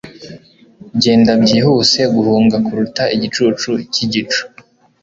genda, byihuse guhunga kuruta igicucu cyigicu